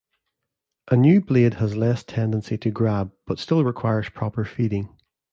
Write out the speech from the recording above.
A new blade has less tendency to grab but still requires proper feeding.